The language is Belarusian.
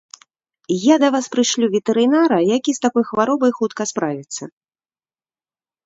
Я да вас прышлю ветэрынара, які з такой хваробай хутка справіцца.